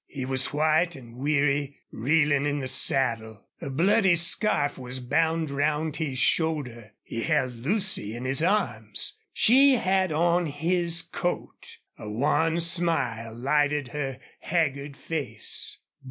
He was white and weary, reeling in the saddle. A bloody scarf was bound round his shoulder. He held Lucy in his arms. She had on his coat. A wan smile lighted her haggard face.